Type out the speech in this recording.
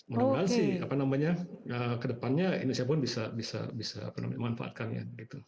mudah mudahan sih kedepannya indonesia pun bisa memanfaatkannya